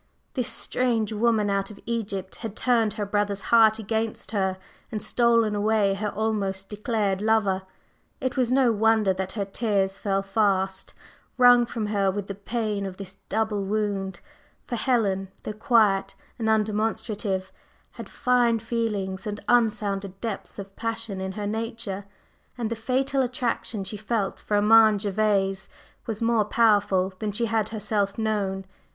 This "strange woman out of Egypt" had turned her brother's heart against her, and stolen away her almost declared lover. It was no wonder that her tears fell fast, wrung from her with the pain of this double wound; for Helen, though quiet and undemonstrative, had fine feelings and unsounded depths of passion in her nature, and the fatal attraction she felt for Armand Gervase was more powerful than she had herself known.